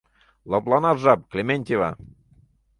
Лыпланаш жап, Клементьева!